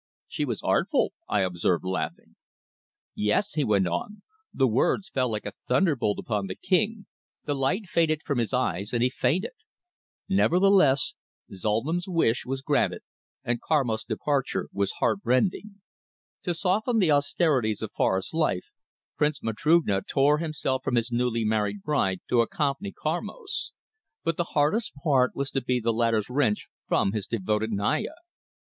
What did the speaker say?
"She was artful," I observed, laughing. "Yes," he went on. "The words fell like a thunder bolt upon the king, the light faded from his eyes and he fainted. Nevertheless, Zulnam's wish was granted, and Karmos' departure was heartrending. To soften the austerities of forest life, Prince Matrugna tore himself from his newly married bride to accompany Karmos. But the hardest was to be the latter's wrench from his devoted Naya.